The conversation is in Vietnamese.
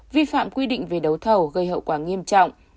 vi phạm quy định về đấu thầu gây hậu quả nghiêm trọng